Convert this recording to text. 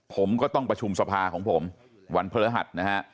ผมก็ต้องประชุมสภาของผมวันพฤหัสนะฮะ